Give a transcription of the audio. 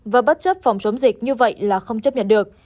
và bất chấp phòng chống dịch như vậy là không chấp nhận được